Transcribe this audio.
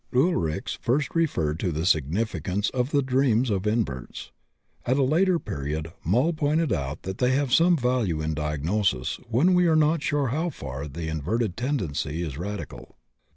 Ulrichs first referred to the significance of the dreams of inverts. At a later period Moll pointed out that they have some value in diagnosis when we are not sure how far the inverted tendency is radical.